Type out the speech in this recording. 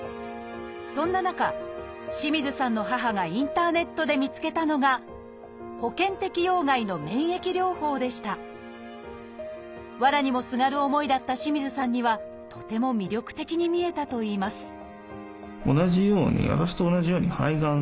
そんな中清水さんの母がインターネットで見つけたのがわらにもすがる思いだった清水さんにはとても魅力的に見えたといいます